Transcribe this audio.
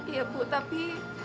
iya bu tapi